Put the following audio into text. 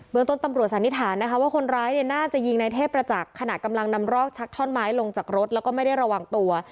เมืองต้นตำรวจสันนิษฐานนะคะว่าคนร้ายเนี่ยน่าจะยิงในเทพประจักษ์ขณะกำลังนำรอกชักท่อนไม้ลงจากรถแล้วก็ไม่ได้ระวังตัว